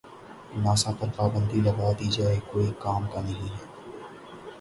NASA پر پابندی لگا دی جاۓ کوئی کام کا نہیں ہے